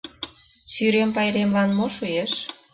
Сӱрем пайремлан мо шуэш?